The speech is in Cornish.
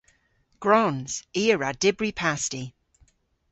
Gwrons. I a wra dybri pasti.